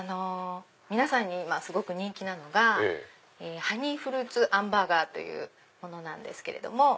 皆さんに今すごく人気なのがハニーフルーツあんバーガーというものなんですけれども。